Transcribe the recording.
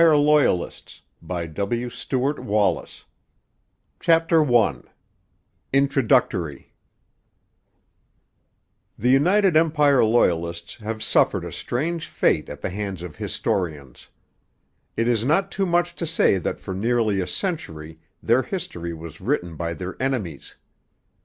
THE LOYALIST IN HIS NEW HOME BIBLIOGRAPHICAL NOTE CHAPTER I INTRODUCTORY The United Empire Loyalists have suffered a strange fate at the hands of historians. It is not too much to say that for nearly a century their history was written by their enemies.